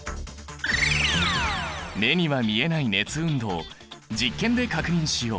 目には見えない熱運動実験で確認しよう！